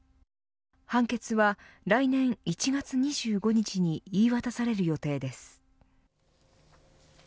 判決は、来年１月２５日に言い渡される予定です。